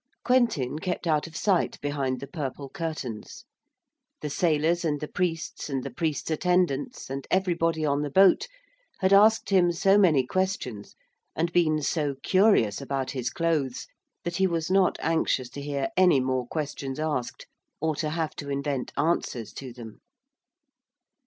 Quentin kept out of sight behind the purple curtains. The sailors and the priests and the priests' attendants and everybody on the boat had asked him so many questions, and been so curious about his clothes, that he was not anxious to hear any more questions asked, or to have to invent answers to them.